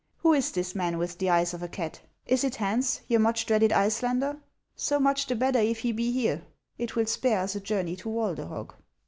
Who is this man with the eyes of a cat ? Is it Hans, your much dreaded Icelander ? So much the better if he be here ' It will spare us a journey to Walderhog."